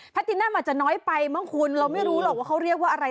ตินัมอาจจะน้อยไปมั้งคุณเราไม่รู้หรอกว่าเขาเรียกว่าอะไร